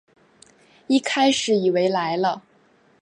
一开始以为来了